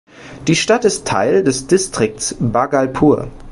Die Stadt ist Teil des Distrikts Bhagalpur.